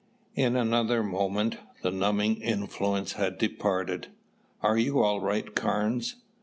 In another moment, the numbing influence had departed. "Are you all right, Carnes?"